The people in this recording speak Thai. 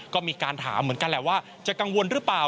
ก็มีการถามเหมือนกันแหละว่าจะกังวลหรือเปล่า